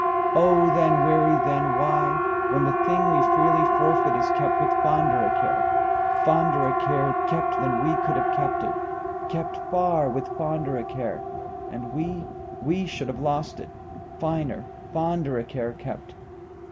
O then, weary then whyWhen the thing we freely fórfeit is kept with fonder a care, Fonder a care kept than we could have kept it, keptFar with fonder a care (and we, we should have lost it) finer, fonderA care kept.